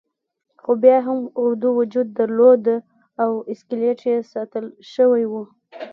خو بیا هم اردو وجود درلود او اسکلیت یې ساتل شوی وو.